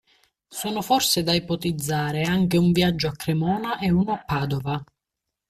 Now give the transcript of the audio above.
Sono forse da ipotizzare anche un viaggio a Cremona e uno a Padova.